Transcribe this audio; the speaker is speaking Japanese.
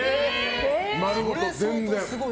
丸ごと、全然。